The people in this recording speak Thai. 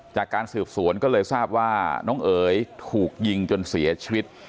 จากการสืบสวนก็เลยทราบว่าน้องเอ๋ยถูกยิงจนเสียชีวิต